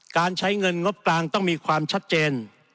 การใช้เงินงบกลางต้องมีความชัดเจน